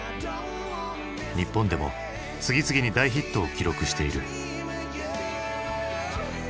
日本でも次々に大ヒットを記録している。